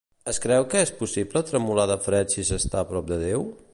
Es creu que és possible tremolar de fred si s'està a prop de Déu?